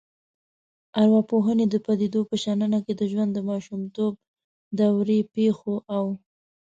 ارواپوهنې د پديدو په شننه کې د ژوند د ماشومتوب دورې پیښو او